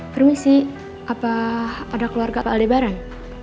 permisi apa ada keluarga pak aldebaran